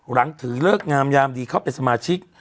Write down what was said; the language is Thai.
หลังถือเลิกงามยามดีเข้าเป็นสมาชิก